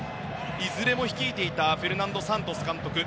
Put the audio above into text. いずれも率いていたフェルナンド・サントス監督